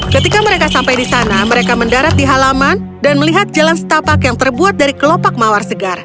ketika mereka sampai di sana mereka mendarat di halaman dan melihat jalan setapak yang terbuat dari kelopak mawar segar